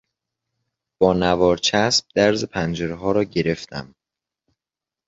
با نوار چسب درز پنجرهها را گرفتم.